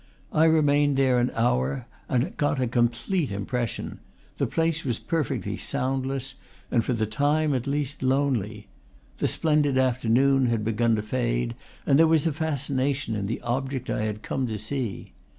I remained there an hour and got a cornplete impression; the place was per fectly soundless, and for the time, at least, lonely; the splendid afternoon had begun to fade, and there was a fascination in the object I had come to see.